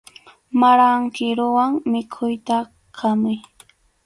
Maran kiruwan mikhuyta khamuy.